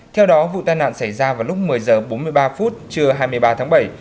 theo đó vụ tai nạn xảy ra vào lúc một mươi h bốn mươi ba phút trưa hai mươi ba tháng bảy